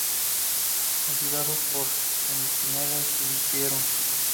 Ayudados por centinelas huyeron.